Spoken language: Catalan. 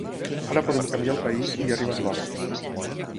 Ara podem canviar el país i ha arribat l’hora.